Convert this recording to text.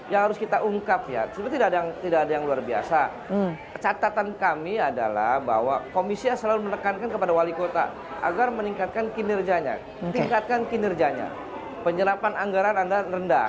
yang harus kita ungkap ya sebenarnya tidak ada yang luar biasa catatan kami adalah bahwa komisi yang selalu menekankan kepada wali kota agar meningkatkan kinerjanya tingkatkan kinerjanya penyerapan anggaran anda rendah